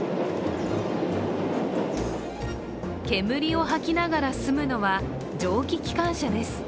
煙を吐きながら進むのは蒸気機関車です。